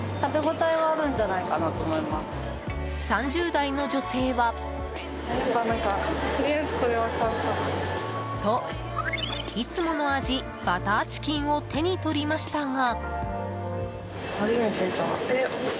３０代の女性は。と、いつもの味バターチキンを手に取りましたが。